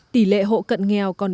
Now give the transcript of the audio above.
tỷ lệ hộ nghèo còn một mươi hai chín